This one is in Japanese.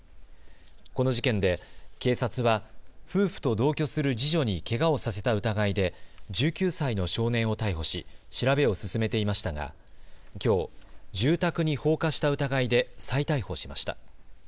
この事件で警察は夫婦と同居する次女にけがをさせた疑いで１９歳の少年を逮捕し調べを進めていましたが、きょう住宅に放火した疑いで再逮捕しました。